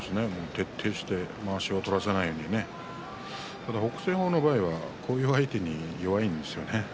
徹底してまわしを取らさないように北青鵬の場合は、小兵相手に弱いんですよね。